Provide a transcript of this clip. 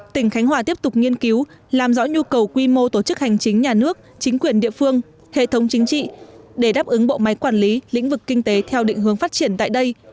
tỉnh khánh hòa tiếp tục nghiên cứu làm rõ nhu cầu quy mô tổ chức hành chính nhà nước chính quyền địa phương hệ thống chính trị để đáp ứng bộ máy quản lý lĩnh vực kinh tế theo định hướng phát triển tại đây